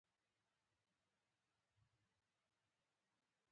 دا پروسه موږ په لاندې ساده فورمول کې ښودلی شو